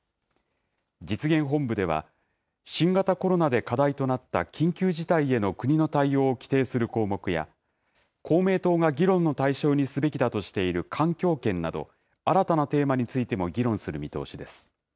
実現本部では、新型コロナで課題となった緊急事態への国の対応を規定する項目や、公明党が議論の対象にすべきだとしている環境権など、新たなテーマについても議論する見通しです。